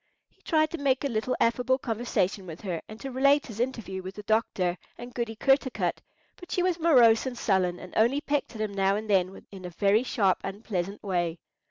He tried to make a little affable conversation with her, and to relate his interview with the doctor and Goody Kertarkut; but she was morose and sullen, and only pecked at him now and then in a very sharp, unpleasant way.